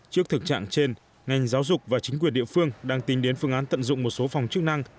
trước thực trạng trên ngành giáo dục và chính quyền địa phương đang tính đến phương án tận dụng một số phòng chức năng